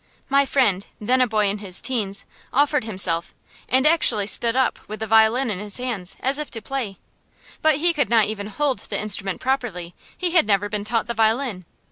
My friend, then a boy in his teens, offered himself, and actually stood up with the violin in his hands, as if to play. But he could not even hold the instrument properly he had never been taught the violin.